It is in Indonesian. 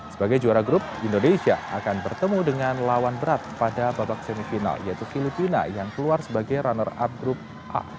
sebagai juara grup indonesia akan bertemu dengan lawan berat pada babak semifinal yaitu filipina yang keluar sebagai runner up grup a